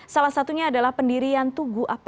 salah satunya adalah pendirian tugu apel